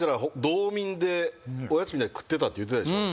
道民でおやつみたいに食ってたって言ってたでしょ？